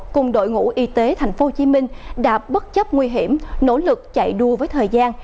cùng đội ngũ y tế tp hcm đã bất chấp nguy hiểm nỗ lực chạy đua với thời gian